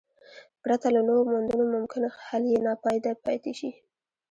پرته له نویو موندنو ممکن حل یې ناپایده پاتې شي.